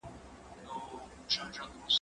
زه به سبا ليکنه کوم!؟